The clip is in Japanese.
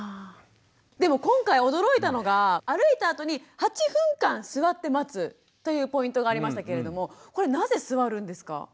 でも今回驚いたのが歩いたあとに８分間座って待つというポイントがありましたけれどもこれなぜ座るんですか？